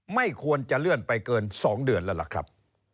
ไม่ควรจะเลื่อนไปเกิน๒เดือนแล้วล่ะครับ